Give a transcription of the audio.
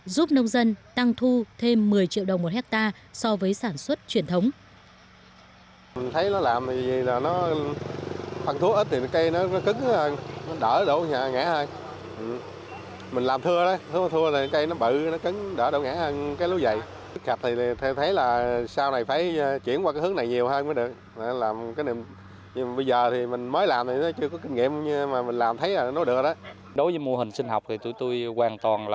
giúp nông dân tăng thu thêm một mươi triệu đồng một hectare so với sản xuất truyền thống